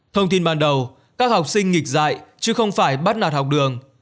thông tin ban đầu các học sinh nghịch dạy chứ không phải bắt nạt học đường